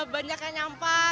banyak yang nyampah